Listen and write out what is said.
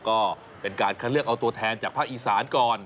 ก็เป็นการคัดเลือกเอาตัวแทนจากภาคอีสานก่อน